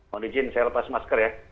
mohon izin saya lepas masker ya